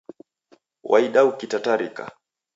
Waida ukitatarika